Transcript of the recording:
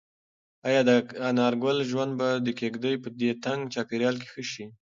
ایا د انارګل ژوند به د کيږدۍ په دې تنګ چاپېریال کې ښه شي؟